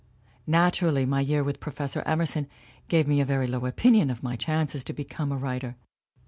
"Naturally, my year with Professor Emerson gave me a very low opinion of my chances to become a writer.